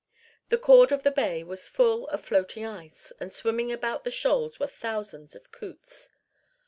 The chord of the bay was full of floating ice, and swimming about the shoals were thousands of coots.